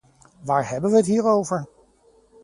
Waar hebben we het hier over?